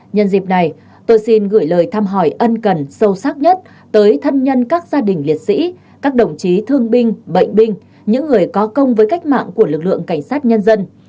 nhân dịp này tôi xin gửi lời thăm hỏi ân cần sâu sắc nhất tới thân nhân các gia đình liệt sĩ các đồng chí thương binh bệnh binh những người có công với cách mạng của lực lượng cảnh sát nhân dân